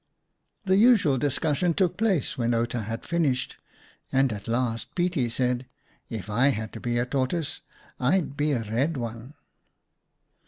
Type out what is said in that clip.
The usual discussion took place when Outa had finished, and at last Pietie said, " If I had to be a Tortoise, I'd be a red one."